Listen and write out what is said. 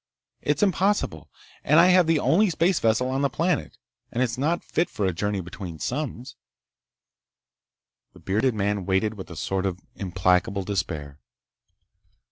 It's impossible! And I have the only space vessel on the planet, and it's not fit for a journey between suns." The bearded man waited with a sort of implacable despair.